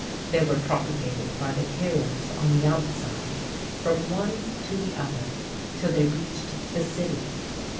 They were propagated by the hearers on the outside, from one to the other, till they reached the city.